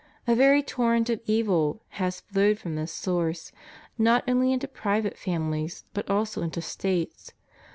A very torrent of evil has flowed from this source, not only into private families, but also into States.